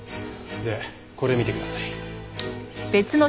でこれ見てください。